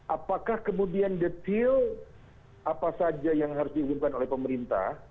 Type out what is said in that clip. apakah kemudian detail apa saja yang harus diumumkan oleh pemerintah